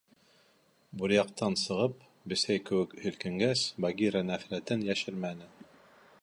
— Буръяҡтан сығып, бесәй кеүек һелкенгәс, Багира нәфрәтен йәшермәне.